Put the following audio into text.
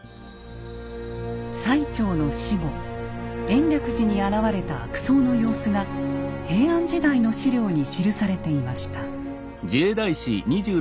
最澄の死後延暦寺に現れた悪僧の様子が平安時代の史料に記されていました。